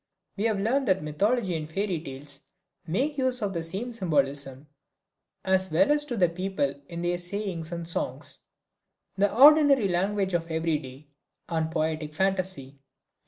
We have learned that mythology and fairy tales make use of the same symbolism, as well as do the people in their sayings and songs, the ordinary language of every day, and poetic phantasy.